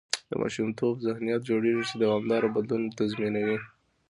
د ماشومتوبه ذهنیت جوړېږي، چې دوامداره بدلون تضمینوي.